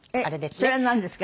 それはなんですか？